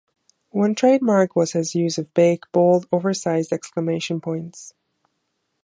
One trademark was his use of big, bold, oversized exclamation points.